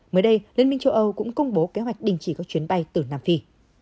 mới đây liên minh châu âu cũng công bố kế hoạch đình chỉ các chuyến bay từ nam phi